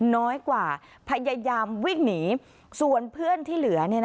น้อยกว่าพยายามวิ่งหนีส่วนเพื่อนที่เหลือ